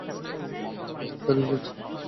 আমি আপনাদের ছেড়ে দিচ্ছি।